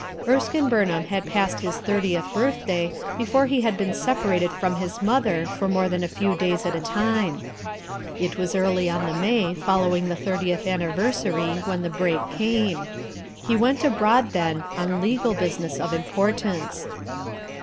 Erskine Burnham had passed his thirtieth birthday before he had been separated from his mother for more than a few days at a time. It was early in the May following the thirtieth anniversary when the break came. He went abroad then, on legal business of importance.